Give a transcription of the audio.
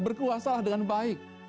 berkuasalah dengan baik